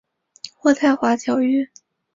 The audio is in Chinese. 渥太华条约。